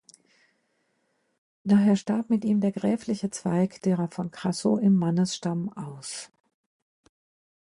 Daher starb mit ihm der gräfliche Zweig derer von Krassow im Mannesstamm aus.